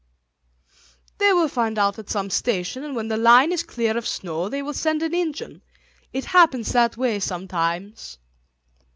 "They will find out at some station, and when the line is clear of snow they will send an engine. It happens that way sometimes."